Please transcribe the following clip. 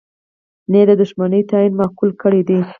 نه یې د دوښمنی تعین معقوله کړې ده.